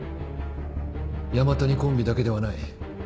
山谷コンビだけではない。